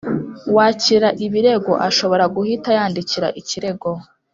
Wakira ibirego ashobora guhita yandika ikirego